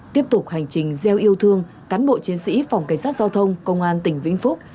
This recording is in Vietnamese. tiếp tục hành trình gieo yêu thương cán bộ chiến sĩ phòng cảnh sát giao thông công an tỉnh vĩnh phúc